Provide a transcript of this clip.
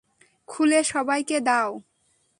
খুলে সবাইকে দাও।